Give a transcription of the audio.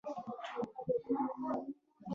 د مریتوب پر ځای مشروع تجارت وکارول شو.